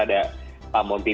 ada pak monti